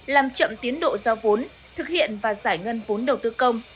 làm chậm tiến độ giao vốn thực hiện và giải ngân vốn đầu tư công